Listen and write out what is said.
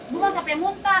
ibu saya sampai muntah